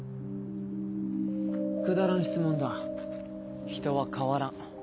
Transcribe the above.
くだらん質問だ人は変わらん。